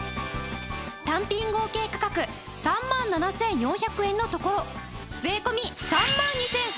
単品合計価格３万７４００円のところ税込３万２８００円！